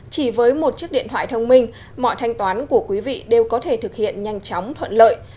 chỉ với một chiếc điện thoại thông minh mọi thanh toán của quý vị đều có thể thực hiện nhanh chóng thuận lợi